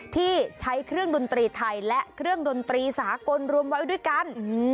ที่ใช้เครื่องดนตรีไทยและเครื่องดนตรีสากลรวมไว้ด้วยกัน